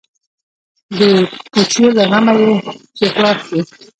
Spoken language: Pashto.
د پوجيو له غمه چې خلاص سو.